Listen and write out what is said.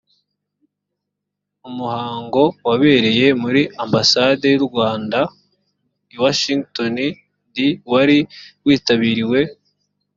mu muhango wabereye muri ambasade y u rwanda i washington d wari witabiriwe